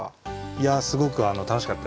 いやすごく楽しかったです。